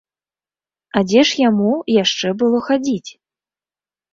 А дзе ж яму яшчэ было хадзіць?